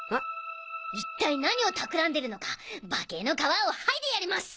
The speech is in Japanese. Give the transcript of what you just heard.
一体何をたくらんでるのか化けの皮をはいでやります！